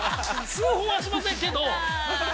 ◆通報はしませんけど。